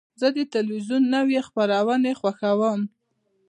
زه د تلویزیون نوی خپرونې خوښوم.